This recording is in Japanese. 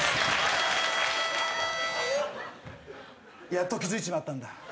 やっと気づいちまったんだ